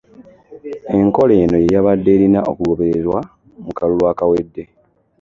Enkola eno ye yabadde erina okugobererwa mu kalulu akawedde